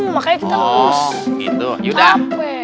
makanya kita terus sampe